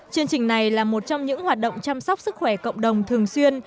chương trình này là một trong những hoạt động chăm sóc sức khỏe cộng đồng thường xuyên